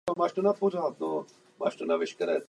Pane předsedající, chci na závěr poděkovat naší zpravodajce.